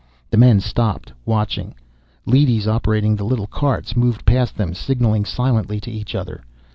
The men stopped, watching. Leadys operating the little carts moved past them, signaling silently to each other.